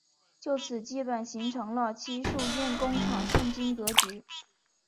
就此基本形成了戚墅堰工厂现今格局。